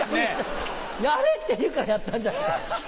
やれって言うからやったんじゃないか。